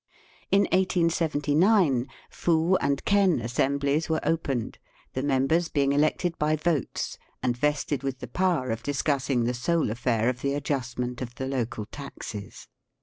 In 1879 fu and ken assemblies were opened, the members being elected by votes and vested with the power of discussing the sole affair of the adjustment of the local taxes.